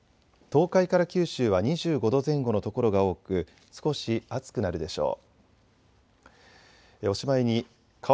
東海から九州は２５度前後の所が多く少し暑くなるでしょう。